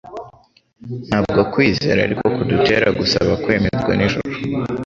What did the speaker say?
Ntabwo kwizera ariko kudutera gusaba kwemerwa n’ijuru